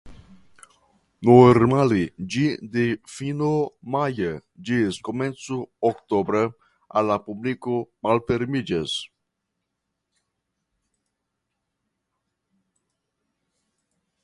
Normale ĝi de fino maja ĝis komenco oktobra al la publiko malfermiĝas.